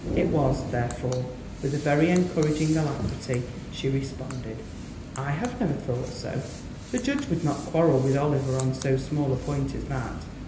It was, therefore, with a very encouraging alacrity she responded: "I have never thought so. The judge would not quarrel with Oliver on so small a point as that.